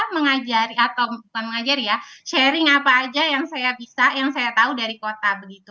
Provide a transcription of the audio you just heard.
mengajari atau bukan mengajari ya sharing apa aja yang saya bisa yang saya tahu dari kota begitu